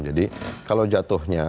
jadi kalau jatuhnya